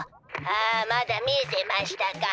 「あまだ見えてましたか。